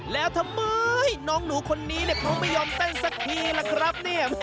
แล้วทำไมน้องหนูคนนี้เขาไม่ยอมเต้นสักทีล่ะครับเนี่ย